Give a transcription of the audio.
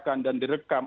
dibacakan dan direkam